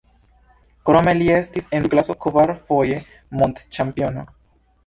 Krome li estis en tiu klaso kvar foje mondĉampiono.